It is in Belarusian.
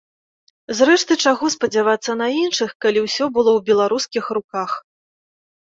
Зрэшты, чаго спадзявацца на іншых, калі ўсё было ў беларускіх руках.